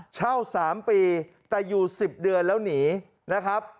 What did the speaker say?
เช่า๓ปีแต่อยู่๑๐เดือนแล้วหนีนะครับ